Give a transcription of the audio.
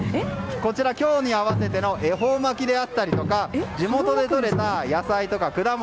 今日に合わせての恵方巻きであったりとか地元でとれた野菜とか果物。